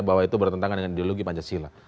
bahwa itu bertentangan dengan ideologi pancasila